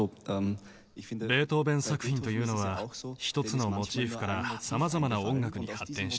ベートーヴェン作品というのは１つのモチーフから様々な音楽に発展していきます。